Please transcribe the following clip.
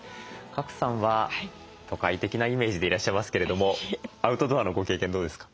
賀来さんは都会的なイメージでいらっしゃいますけれどもアウトドアのご経験どうですか？